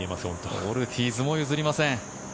オルティーズも譲りません。